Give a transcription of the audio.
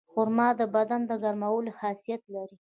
خرما د بدن د ګرمولو خاصیت لري.